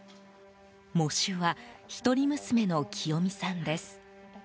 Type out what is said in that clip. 喪主は一人娘の清美さんです。